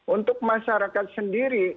untuk masyarakat sendiri